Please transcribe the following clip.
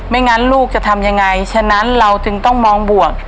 งั้นลูกจะทำยังไงฉะนั้นเราจึงต้องมองบวก